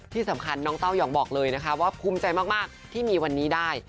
ที่สำคัญน้องเต้ายองบอกเลยนะคะว่าภูมิใจมากที่มีวันนี้ได้